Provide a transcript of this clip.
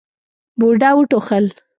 بوډا وټوخل.